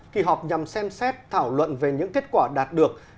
kỳ họp nhằm xem xét thảo luận về những kết quả đạt được